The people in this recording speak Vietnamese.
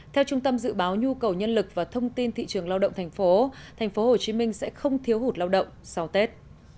theo trung tâm dự báo nhu cầu nhân lực và thông tin thị trường lao động tp hcm sẽ không thiếu hụt lao động sau tết